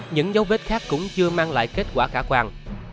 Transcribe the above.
những dấu vết khác cũng chưa mang lại kết quả khả quan